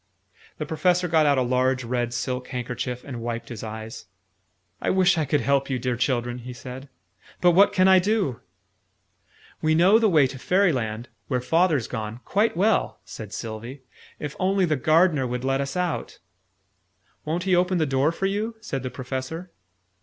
The Professor got out a large red silk handkerchief, and wiped his eyes. "I wish I could help you, dear children!" he said. "But what can I do?" "We know the way to Fairyland where Father's gone quite well," said Sylvie: "if only the Gardener would let us out." "Won't he open the door for you?" said the Professor.